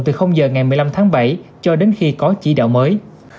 từ giờ ngày một mươi năm tháng bảy cho đến khi có chỉ đạo mới